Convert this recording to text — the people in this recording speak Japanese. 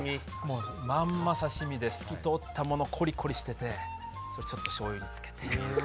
まんま、刺身で透き通ったものコリコリしてて、それにちょっとしょうゆをつけて。